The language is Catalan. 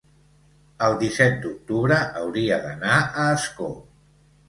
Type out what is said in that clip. el disset d'octubre hauria d'anar a Ascó.